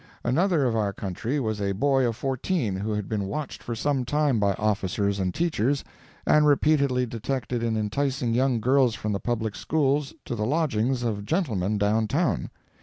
Another of our company was a boy of fourteen who had been watched for some time by officers and teachers, and repeatedly detected in enticing young girls from the public schools to the lodgings of gentlemen down town.